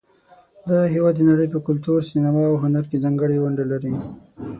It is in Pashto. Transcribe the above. دغه هېواد د نړۍ په کلتور، سینما، او هنر کې ځانګړې ونډه لري.